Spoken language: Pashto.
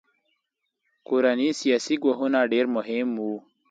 کورني سیاسي ګواښونه ډېر مهم وو.